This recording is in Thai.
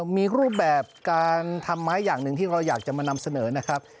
มีรูปแบบการทำไม้อย่างหนึ่งที่เราอยากจะมานำเสนอนะครับ